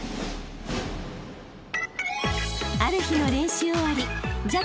［ある日の練習終わり］